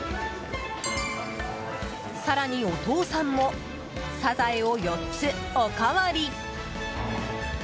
更にお父さんもサザエを４つ、おかわり。